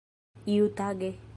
iutage